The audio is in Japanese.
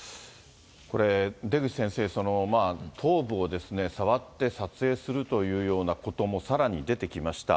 これ、出口先生、頭部を触って撮影するというようなこともさらに出てきました。